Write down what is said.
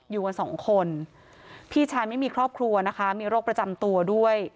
อยู่กันสองคนพี่ชายไม่มีครอบครัวนะคะมีโรคประจำตัวด้วย